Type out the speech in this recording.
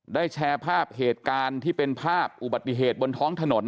แชร์ภาพเหตุการณ์ที่เป็นภาพอุบัติเหตุบนท้องถนน